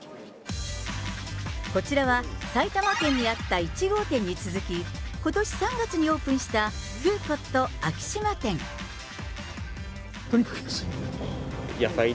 こちらは、埼玉県にあった１号店に続き、ことし３月にオープンした、とにかく安い。